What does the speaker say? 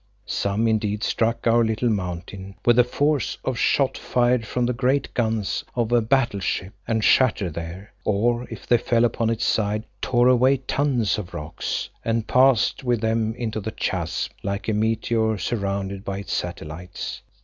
Some indeed struck our little mountain with the force of shot fired from the great guns of a battle ship, and shattered there, or if they fell upon its side, tore away tons of rock and passed with them into the chasm like a meteor surrounded by its satellites.